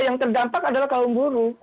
yang terdampak adalah kaum buruh